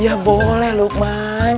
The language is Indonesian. ya boleh lukman